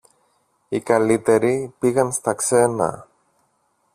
οι καλύτεροι πήγαν στα ξένα